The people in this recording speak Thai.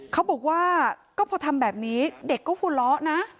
เขาบอกว่าก็พอทำแบบนี้เด็กก็หัวเราะนะ